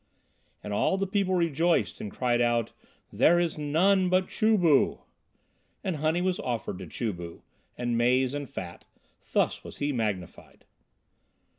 And all the people rejoiced and cried out, "There is none but Chu bu." And honey was offered to Chu bu, and maize and fat. Thus was he magnified.